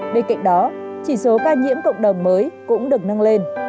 bên cạnh đó chỉ số ca nhiễm cộng đồng mới cũng được nâng lên